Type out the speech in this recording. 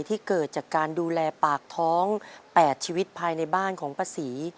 ที่เกิดจากการดูแลปากท้อง๘ชีวิตภายในบ้านของป้าศรี